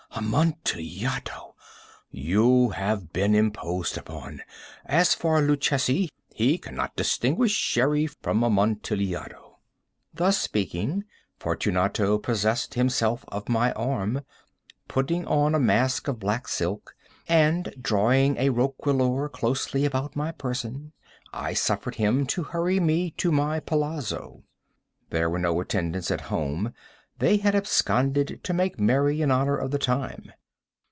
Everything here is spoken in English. Amontillado! You have been imposed upon. And as for Luchesi, he cannot distinguish Sherry from Amontillado." Thus speaking, Fortunato possessed himself of my arm. Putting on a mask of black silk, and drawing a roquelaire closely about my person, I suffered him to hurry me to my palazzo. There were no attendants at home; they had absconded to make merry in honor of the time.